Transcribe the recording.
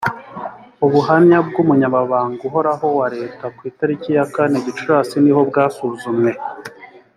ubuhamya bw umunyamabanga uhorahowa leta ku itariki ya kane gicurasi niho bwasuzumwe